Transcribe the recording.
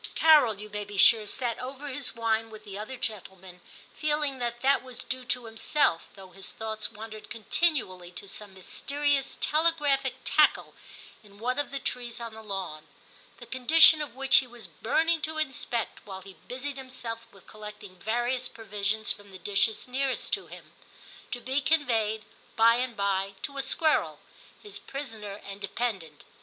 Carol, you may be sure, sat over his wine II TIM 29 with the other gentlemen, feeling that that was due to himself, though his thoughts wandered continually to some mysterious telegraphic tackle in one of the trees on the lawn, the condition of which he was burning to inspect, while he busied himself with collecting various provisions from the dishes nearest to him, to be conveyed, by and by, to a squirrel, his prisoner and dependant.